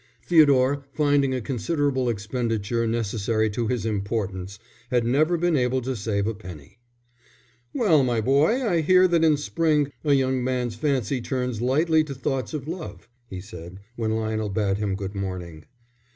Theodore, finding a considerable expenditure necessary to his importance, had never been able to save a penny. "Well, my boy, I hear that in spring a young man's fancy turns lightly to thoughts of love," he said, when Lionel bade him good morning.